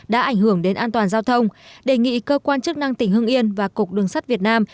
đã ảnh hưởng đến an toàn giao thông đề nghị cơ quan chức năng tỉnh hưng yên và cục đường sắt việt nam